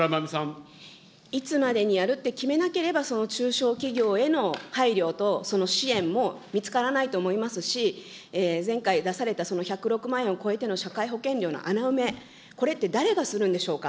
いつまでにやるって決めなければ、その中小企業への配慮とその支援も見つからないと思いますし、前回、出されたその１０６万円を超えての社会保険料の穴埋め、これって、誰がするんでしょうか。